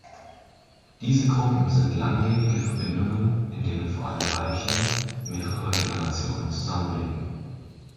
Diese Gruppen sind langlebige Verbindungen, in denen vor allem Weibchen mehrerer Generation zusammenleben.